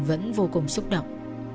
vẫn vô cùng xúc động